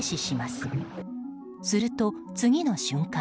すると、次の瞬間。